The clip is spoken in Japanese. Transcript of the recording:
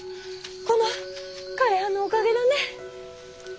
この枯れ葉のおかげだね。